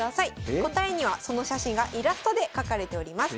答えにはその写真がイラストで描かれております。